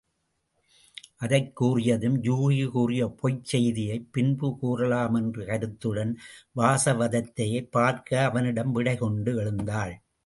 அதைக் கூறியதும் யூகி கூறிய பொய்ச் செய்தியைப் பின்பு கூறலாமென்ற கருத்துடன் வாசவதத்தையைப் பார்க்க அவனிடம் விடைகொண்டு எழுந்தாள்.